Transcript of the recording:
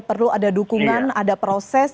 perlu ada dukungan ada proses